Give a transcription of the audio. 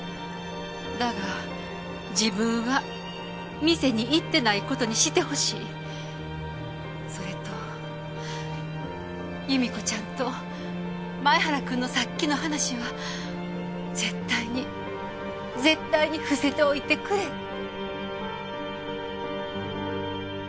だが自分は店に行ってない事にしてほしい。それと祐美子ちゃんと前原君のさっきの話は絶対に絶対に伏せておいてくれって。